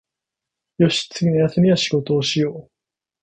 よし、次の休みは仕事しよう